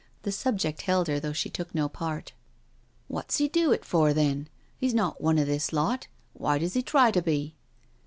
The subject held her though she took no part. " Wot's he do it for, then? He's not one of this lot^why does he try to be?"